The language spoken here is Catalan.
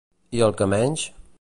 I el que menys?